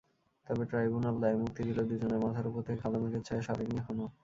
তবে ট্রাইব্যুনাল দায়মুক্তি দিলেও দুজনের মাথার ওপর থেকে কালো মেঘের ছায়া সরেনি এখনো।